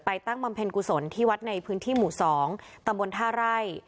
ตั้งบำเพ็ญกุศลที่วัดในพื้นที่หมู่๒ตำบลท่าไร่